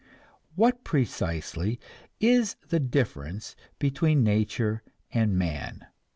What, precisely, is the difference between nature and man?